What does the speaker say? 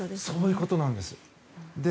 そういうことなんです。